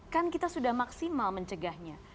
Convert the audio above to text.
kan kita sudah maksimal mencegahnya